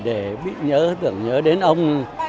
để biết nhớ tưởng nhớ đến ông